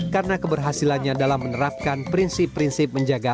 karena keberhasilannya dalam menerapkan prinsip prinsip menjaga